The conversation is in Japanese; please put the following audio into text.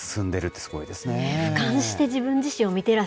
すごいです。